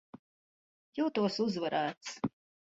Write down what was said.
Jūtos uzvarēts.